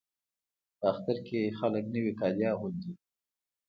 په اختر کې خلک نوي کالي اغوندي.